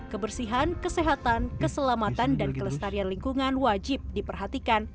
kebersihan kesehatan keselamatan dan kelestarian lingkungan wajib diperhatikan